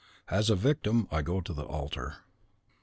(As a victim I go to the altar.)